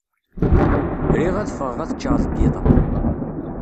Riɣ ad ffɣeɣ ad ččeɣ deg yiḍ-a.